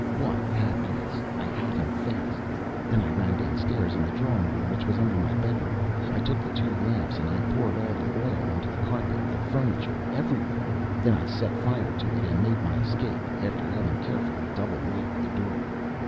What happiness! I had him fast. Then I ran downstairs; in the drawing room, which was under my bedroom, I took the two lamps and I poured all the oil onto the carpet, the furniture, everywhere; then I set fire to it and made my escape, after having carefully double locked the door.